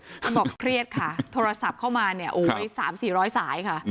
เขาบอกเครียดค่ะโทรศัพท์เข้ามาเนี่ยโอ้ย๓๔๐๐สายค่ะ